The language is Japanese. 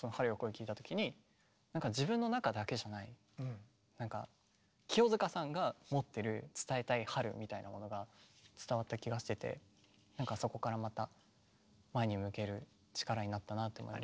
聴いたときになんか自分の中だけじゃない清塚さんが持ってる伝えたい春みたいなものが伝わった気がしててなんかそこからまた前に向ける力になったなって思います。